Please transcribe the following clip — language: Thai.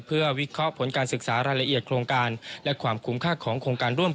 เพื่อวิเคราะห์ผลการศึกษารายละเอียดโครงการและความคุ้มค่าของโครงการร่วม